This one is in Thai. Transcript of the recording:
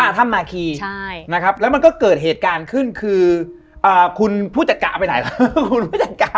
ถ้ำนาคีนะครับแล้วมันก็เกิดเหตุการณ์ขึ้นคือคุณผู้จัดการไปไหนล่ะคุณผู้จัดการ